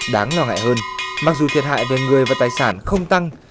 đáng lo ngại hơn mặc dù thiệt hại về người và tài sản không tăng